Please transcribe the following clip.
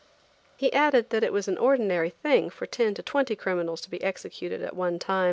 He added that it was an ordinary thing for ten to twenty criminals to be executed at one time.